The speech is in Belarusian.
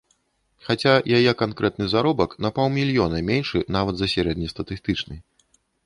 Хаця яе канкрэтны заробак на паўмільёна меншы нават за сярэднестатыстычны.